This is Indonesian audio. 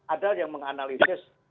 ada yang menganalisis